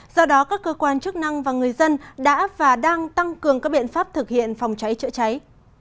do đó các cơ quan chức năng và người dân đã và đang tăng cường các biện pháp thực hiện phòng cháy chữa cháy